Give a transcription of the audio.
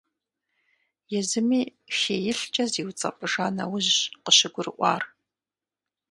Езыми хеилъкӀэ зиуцӀэпӀыжа нэужьщ къыщыгурыӀуар.